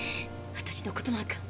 私のことなんか。